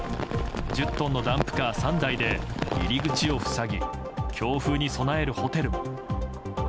１０トンのダンプカー３台で入り口を塞ぎ強風に備えるホテルも。